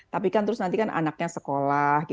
tapi kan terus nanti kan anaknya sekolah